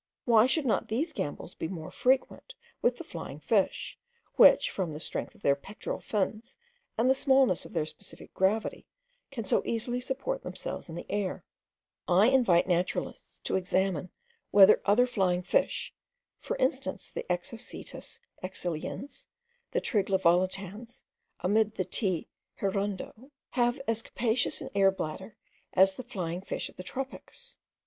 Why should not these gambols be more frequent with the flying fish, which from the strength of their pectoral fins, and the smallness of their specific gravity, can so easily support themselves in the air? I invite naturalists to examine whether other flying fish, for instance the Exocoetus exiliens, the Trigla volitans, amid the T. hirundo, have as capacious an air bladder as the flying fish of the tropics.